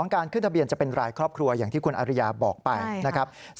การขึ้นทะเบียนจะเป็นรายครอบครัวอย่างที่คุณอริยาบอกไปนะครับ